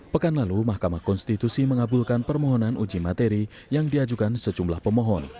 pekan lalu mahkamah konstitusi mengabulkan permohonan uji materi yang diajukan sejumlah pemohon